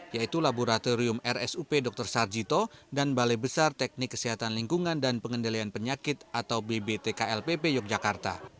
yaitu laboratorium rsup dr sarjito dan balai besar teknik kesehatan lingkungan dan pengendalian penyakit atau bbtklpp yogyakarta